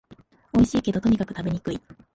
おいしいけど、とにかく食べにくい